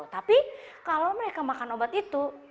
tapi kalau mereka makan obat itu